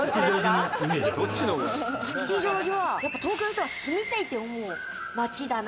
吉祥寺は東京の人が住みたいって思う街だな。